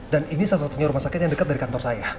dan ini salah satunya rumah sakit yang dekat dari kantor saya